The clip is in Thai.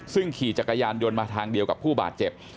ซึ่งขี่จักรยานยนต์มาทางเดียวกับผู้บาดเจ็บ